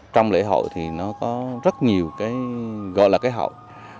trong lễ hội thì nó có rất nhiều cái gọi là cái hậu